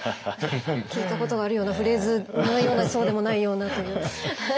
聞いたことがあるようなフレーズのようなそうでもないようなという。